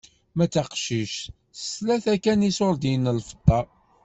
Ma d taqcict s tlata kan n iṣurdiyen n lfeṭṭa.